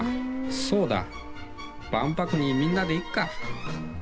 そうだ、万博にみんなで行くか。